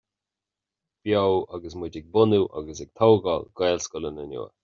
Beo agus muid ag bunú agus ag tógáil Gaelscoileanna nua